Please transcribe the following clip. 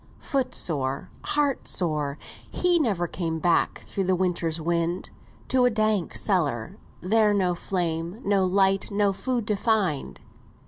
Foot sore, heart sore, he never came Back through the winter's wind, To a dark cellar, there no flame, No light, no food, to find.